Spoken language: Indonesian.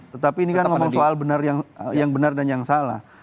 tetapi ini kan ngomong soal benar yang benar dan yang salah